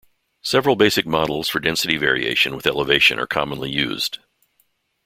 Several basic models for density variation with elevation are commonly used.